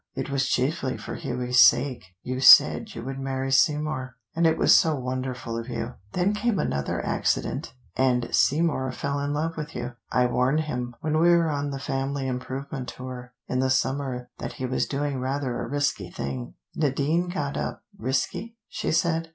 It was chiefly for Hughie's sake you said you would marry Seymour, and it was so wonderful of you. Then came another accident and Seymour fell in love with you. I warned him when we were on the family improvement tour in the summer that he was doing rather a risky thing " Nadine got up. "Risky?" she said.